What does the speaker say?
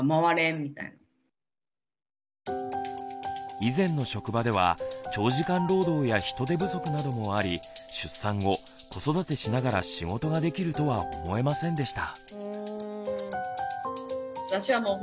以前の職場では長時間労働や人手不足などもあり出産後子育てしながら仕事ができるとは思えませんでした。